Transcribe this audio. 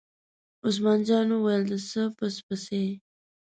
عثمان جان وویل: د څه پس پسي.